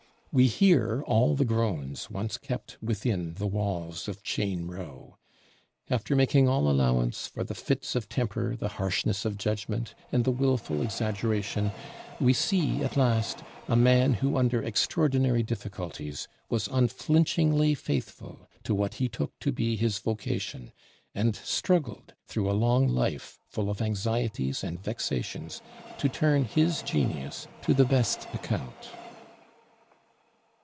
We hear all the groans once kept within the walls of Cheyne Row. After making all allowance for the fits of temper, the harshness of judgment, and the willful exaggeration, we see at last a man who under extraordinary difficulties was unflinchingly faithful to what he took to be his vocation, and struggled through a long life, full of anxieties and vexations, to turn his genius to the best account.